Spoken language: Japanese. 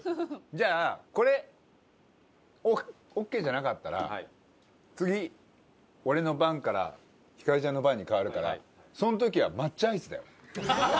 じゃあこれオッケーじゃなかったら次俺の番からひかりちゃんの番に変わるからその時は抹茶アイスだよ。